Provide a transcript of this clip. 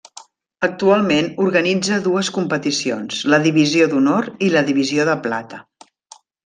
Actualment organitza dues competicions, la Divisió d'Honor i la Divisió de Plata.